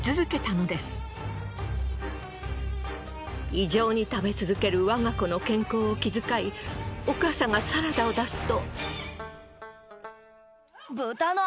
異常に食べ続ける我が子の健康を気遣いお母さんがサラダを出すと。